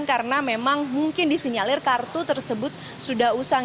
karena memang mungkin disinyalir kartu tersebut sudah usang